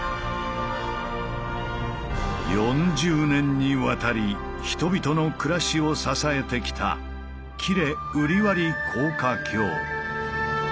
４０年にわたり人々の暮らしを支えてきた喜連瓜破高架橋。